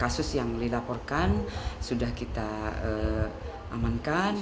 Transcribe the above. kasus yang dilaporkan sudah kita amankan